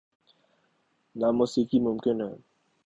نہ موسیقی ممکن ہے۔